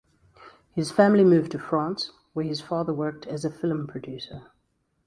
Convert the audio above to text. His family moved to France, where his father worked as a film producer.